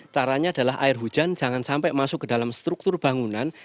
caranya adalah air hujan jangan sampai masuk ke dalam struktur bangunan